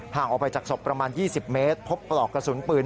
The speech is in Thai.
ออกไปจากศพประมาณ๒๐เมตรพบปลอกกระสุนปืน